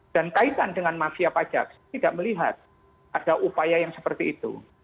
dan kaitan dengan mafia pajak tidak melihat ada upaya yang seperti itu